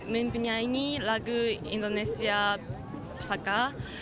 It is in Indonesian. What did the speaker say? saya menyanyi lagu indonesia pesaka